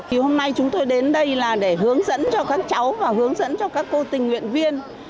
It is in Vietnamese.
thì hôm nay chúng tôi đến đây là để hướng dẫn cho các cháu và hướng dẫn cho các cô tình nguyện viên